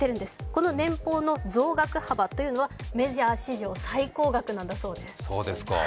この年俸の増額幅というのは、メジャー史上最高額なんだそうです。